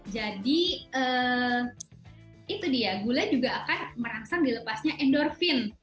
jadi itu dia gula juga akan merangsang dilepasnya endorfin